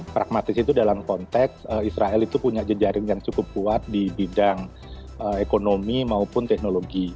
pragmatis itu dalam konteks israel itu punya jejaring yang cukup kuat di bidang ekonomi maupun teknologi